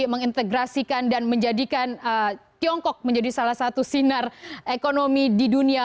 mengintegrasikan dan menjadikan tiongkok menjadi salah satu sinar ekonomi di dunia